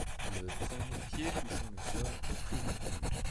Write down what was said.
Le premier pied touchant le sol est pris en compte.